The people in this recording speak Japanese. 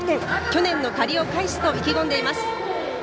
去年の借りを返すと意気込んでいます。